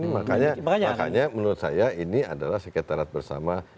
makanya menurut saya ini adalah sekretariat bersama